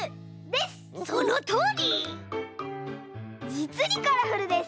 じつにカラフルです。